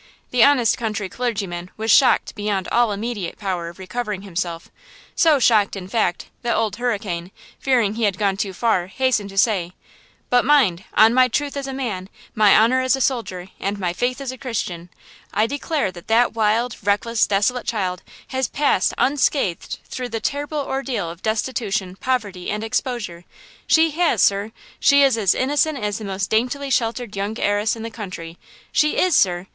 The honest country clergyman was shocked beyond all immediate power of recovering himself–so shocked, in fact, that Old Hurricane, fearing he had gone too far, hastened to say: "But mind, on my truth as a man, my honor as a soldier, and my faith as a Christian, I declare that that wild, reckless, desolate child has passed unscathed through the terrible ordeal of destitution, poverty and exposure. She has, sir! She is as innocent as the most daintily sheltered young heiress in the country! She is, sir!